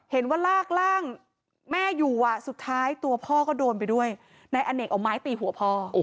ว่าลากร่างแม่อยู่สุดท้ายตัวพ่อก็โดนไปด้วยนายอเนกเอาไม้ตีหัวพ่อ